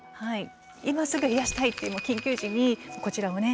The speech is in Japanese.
今すぐ冷やしたいっていう緊急時にこちらをね